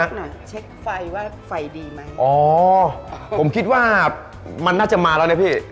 เช็คไฟว่าไฟดีไหมอ๋อผมคิดว่ามันน่าจะมาแล้วนะพี่